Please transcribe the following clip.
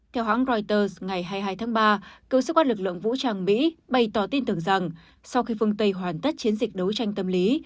theo hãng reuters ngày hai mươi hai tháng ba cựu sĩ quan lực lượng vũ trang mỹ bày tỏ tin tưởng rằng sau khi phương tây hoàn tất chiến dịch đấu tranh tâm lý